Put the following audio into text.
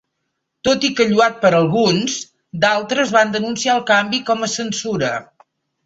Tot i que lloat per alguns, d'altres van denunciar el canvi com a censura.